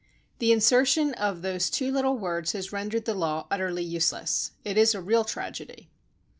The insertion of those two little words has rendered the law utterly useless. It is a real tragedy.